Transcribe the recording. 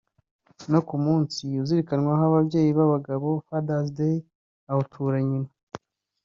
no ku munsi uzirikanwaho ababyeyi b’abagabo(Father’s day) awutura nyina